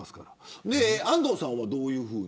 安藤さんは、どういうふうに。